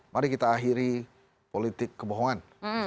mari kita akhiri politik kebohongan